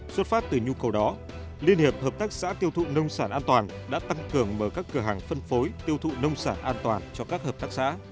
xuất phát từ nhu cầu đó liên hiệp hợp tác xã tiêu thụ nông sản an toàn đã tăng cường mở các cửa hàng phân phối tiêu thụ nông sản an toàn cho các hợp tác xã